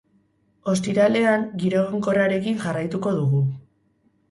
Ostiralean giro egonkorrarekin jarraituko dugu.